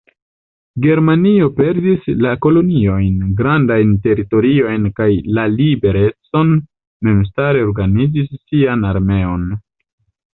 Germanio perdis la koloniojn, grandajn teritoriojn kaj la liberecon memstare organizi sian armeon.